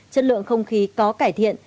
chất lượng không khí có cải thiện